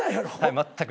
全く。